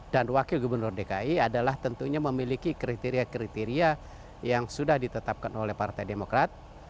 dan wakil gubernur dki adalah tentunya memiliki kriteria kriteria yang sudah ditetapkan oleh partai demokrat